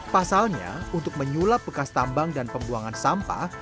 pasalnya untuk menyulap bekas tambang dan pembuangan sampah